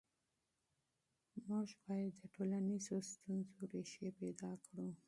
موږ باید د ټولنیزو ستونزو ریښې پیدا کړو.